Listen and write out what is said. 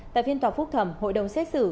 tại phiên tòa phúc thẩm hội đồng xét xử